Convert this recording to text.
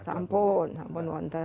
sampun sampun wanten